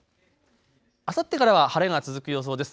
あさってからは晴れが続く予想です。